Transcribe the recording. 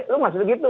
lu gak bisa begitu